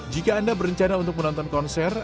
jika anda berencana untuk menonton konser